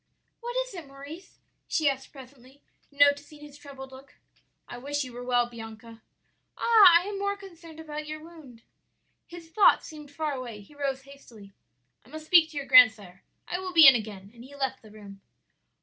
"'What is it, Maurice?' she asked, presently, noticing his troubled look. "'I wish you were well, Bianca.' "'Ah! I am more concerned about your wound.' "His thoughts seemed far away. He rose hastily. "'I must speak to your grandsire. I will be in again;' and he left the room.